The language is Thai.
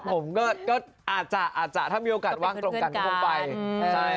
ผมก็อาจจะอาจจะถ้ามีโอกาสว่างตรงกันก็คงไปใช่